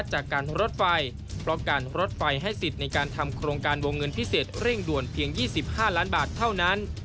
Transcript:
ให้สิทธิ์ในการทำโครงการวงเงินพิเศษเร่งด่วนเพียง๒๕ล้านบาทเท่านั้น